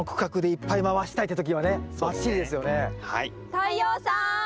太陽さん！